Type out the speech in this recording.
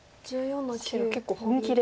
結構本気で。